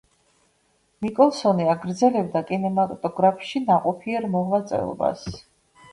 ნიკოლსონი აგრძელებდა კინემატოგრაფში ნაყოფიერ მოღვაწეობას.